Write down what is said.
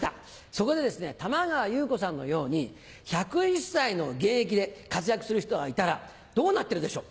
そこで玉川祐子さんのように１０１歳の現役で活躍する人がいたらどうなってるでしょう？